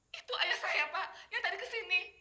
itu ayah saya pak yang tadi kesini